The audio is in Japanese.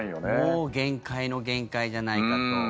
もう限界の限界じゃないかと。